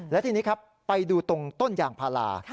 และทีนี้ครับไปดูตรงต้นยางพารา